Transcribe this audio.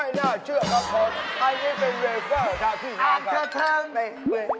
อิจเจฟ้าอิจเจฟ้าตาย